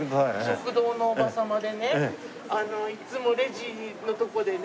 食堂のおば様でねいつもレジのとこでね